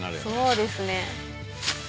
そうですね。